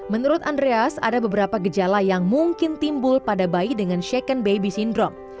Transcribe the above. menurut andreas ada beberapa gejala yang mungkin timbul pada bayi dengan second baby syndrome